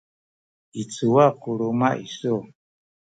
i cuwa ku luma’ isu?